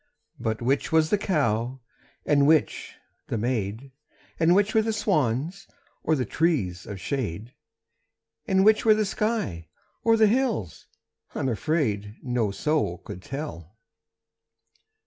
But which was the cow and which the maid, And which were the swans or the trees of shade, And which were the sky or the hills, I'm afraid, No soul could tell.